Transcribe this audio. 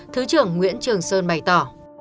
thứ trưởng nguyễn trường sơn bày tỏ